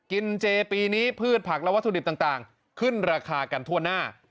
กินเจปีนี้พืชผักและวัตถุดิบต่างขึ้นราคากันทั่วหน้า